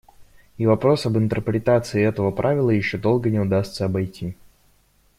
И вопрос об интерпретации этого правила еще долго не удастся обойти;.